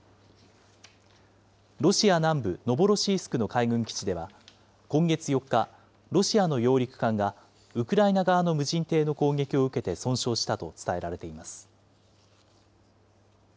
ロシア南部ノボロシースクの海軍基地では、今月４日、ロシアの揚陸艦がウクライナ側の無人艇の攻撃を受けて損傷したと伝えられています。